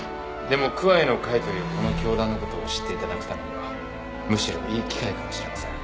でもクアイの会というこの教団のことを知っていただくためにはむしろいい機会かもしれません。